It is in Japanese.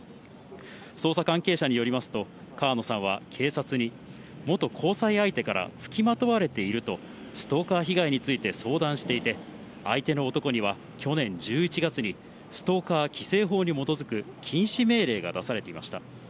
捜査関係者によりますと、川野さんは警察に、元交際相手から付きまとわれていると、ストーカー被害について相談していて、相手の男には、去年１１月にストーカー規制法に基づく禁止命令が出されていました。